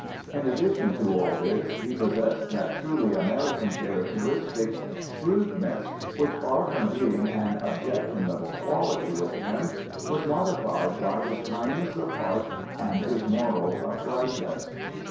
In addition to all this he possessed that truly American characteristic—shrewdness, which far from being an objectionable quality with him, was modified by his kindness of heart and his moral uprightness.